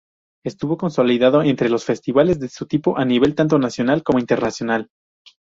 Estuvo consolidado entre los festivales de su tipo a nivel tanto nacional como internacional.